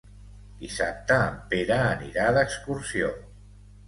Dissabte en Pere anirà d'excursió.